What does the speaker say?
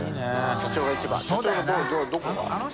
社長のどこが？